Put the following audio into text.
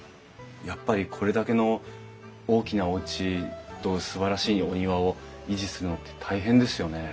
やっぱりこれだけの大きなおうちとすばらしいお庭を維持するのって大変ですよね。